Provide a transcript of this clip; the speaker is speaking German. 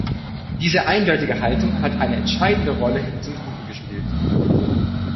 Diese eindeutige Haltung hat eine entscheidende Rolle hin zum Guten gespielt.